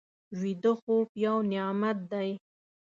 ویده خوب یو نعمت دی